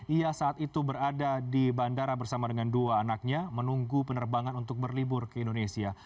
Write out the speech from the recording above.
ia saat itu berada di bandara bersama dengan dua anaknya menunggu penerbangan untuk berlibur ke indonesia